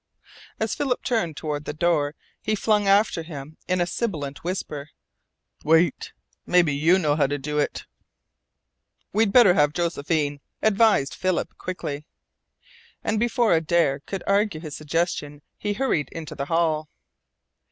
As Philip turned toward the door he flung after him in a sibilant whisper: "Wait! Maybe you know how to do it " "We'd better have Josephine," advised Philip quickly, and before Adare could argue his suggestion he hurried into the hall.